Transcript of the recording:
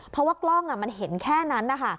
เพราะว่ากล้องมันเห็นแค่นั้นนะคะ